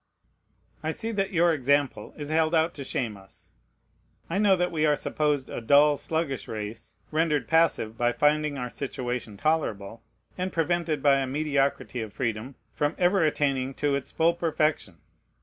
I see that your example is held out to shame us. I know that we are supposed a dull, sluggish race, rendered passive by finding our situation tolerable, and prevented by a mediocrity of freedom from ever attaining to its full perfection.